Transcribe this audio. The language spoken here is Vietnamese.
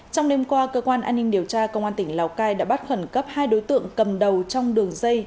trong đêm qua cơ quan an ninh điều tra công an tỉnh lào cai đã bắt khẩn cấp hai đối tượng cầm đầu trong đường dây